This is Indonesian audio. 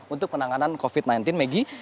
untuk penanganan covid sembilan belas megi